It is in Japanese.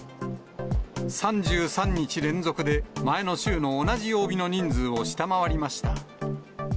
３３日連続で前の週の同じ曜日の人数を下回りました。